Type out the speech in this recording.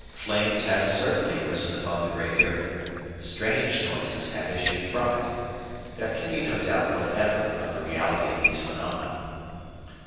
Flames have certainly risen above the Great Eyrie. Strange noises have issued from it. There can be no doubt whatever of the reality of these phenomena."